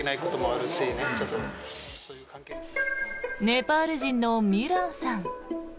ネパール人のミランさん。